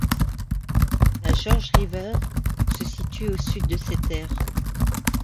La Georges River se situe au sud de cette aire.